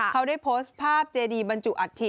เขาได้โพสต์ภาพเจดีบรรจุอัฐิ